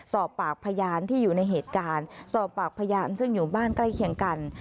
สอบปากคำพยานที่อยู่ในเหตุการณ์สอบปากพยานซึ่งอยู่บ้านใกล้เคียงกัน